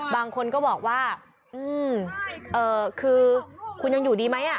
บางคนก็บอกว่าคือคุณยังอยู่ดีไหม